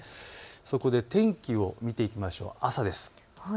そこで天気を見ていきましょう。